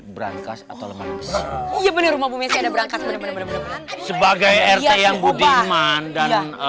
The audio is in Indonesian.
berangkat atau mas story about nih pilu tamat sebagai ig engbo bang mandang